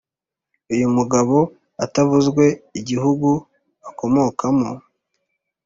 Uyu mugabo utavuzwe igihugu akomokamo,